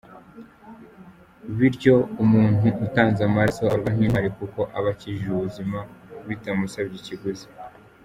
Bityo umuntu utanze amaraso abarwa nk’intwari, kuko aba akijije ubuzima bitamusabye ikiguzi.